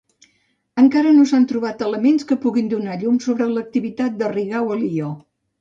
Encara no s'han trobat elements que puguin donar llum sobre l'activitat de Rigau a Lió.